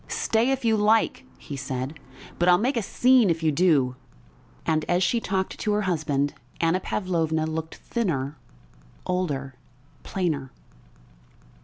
"Stay if you like," he said, "but I'll make a scene if you do." And as she talked to her husband Anna Pavlovna looked thinner, older, plainer.